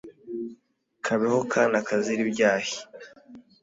Kabeho kana kazira ibyahi